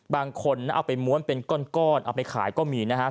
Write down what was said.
บางคนเอาไปม้วนเป็นก้อนเอาไปขายก็มีนะครับ